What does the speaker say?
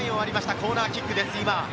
コーナーキックです。